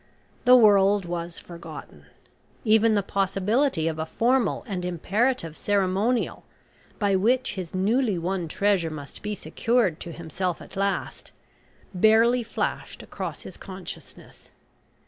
The world was forgotten. Even the possibility of a formal and imperative ceremonial by which his newly won treasure must be secured to himself at last, barely flashed across his consciousness.